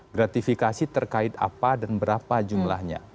gratifikasi terkait apa dan berapa jumlahnya